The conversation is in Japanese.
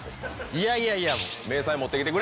いやいやいや。